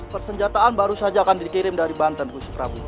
persenjataan baru saja akan dikirim dari banten kusiprabu